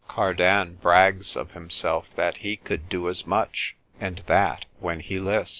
Cardan brags of himself, that he could do as much, and that when he list.